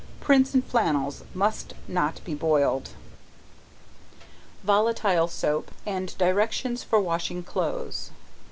Prints and flannels must not be boiled. Volatile Soap, _And Directions for Washing Clothes.